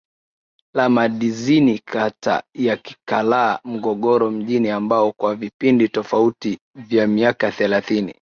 la Madizini kata ya Kilakala Morogoro mjini ambao kwa vipindi tofauti vya miaka thelathini